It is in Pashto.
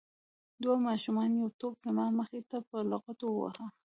دوو ماشومانو یو توپ زما مخې ته په لغتو وواهه.